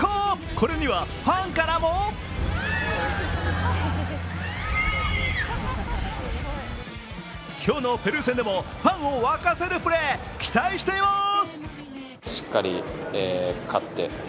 これにはファンからも今日のペルー戦でもファンを沸かせるプレー、期待してます。